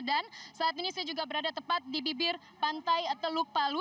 dan saat ini saya juga berada tepat di bibir pantai teluk palu